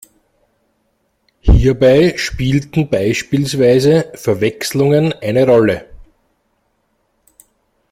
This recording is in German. Hierbei spielten beispielsweise Verwechslungen eine Rolle.